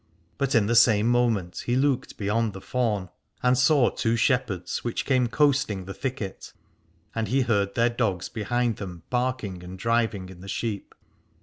But in the same moment he looked beyond the faun and saw two shepherds which came coasting the thicket, and he heard their dogs behind them barking and driving in the sheep.